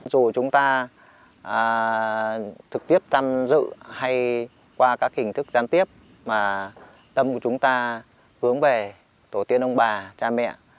dù chúng ta thực tiếp tâm dự hay qua các hình thức giám tiếp mà tâm của chúng ta hướng về tổ tiên ông bà cha mẹ